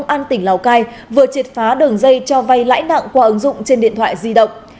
công an tỉnh lào cai vừa triệt phá đường dây cho vay lãi nặng qua ứng dụng trên điện thoại di động